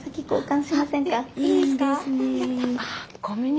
いいですね。